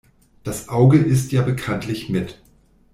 Das Auge isst ja bekanntlich mit.